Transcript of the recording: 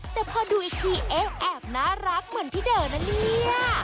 แต่พอดูอีกทีเอ๊ะแอบน่ารักเหมือนพี่เด๋อนะเนี่ย